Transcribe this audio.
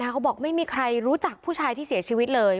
เขาบอกไม่มีใครรู้จักผู้ชายที่เสียชีวิตเลย